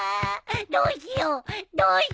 どうしよう！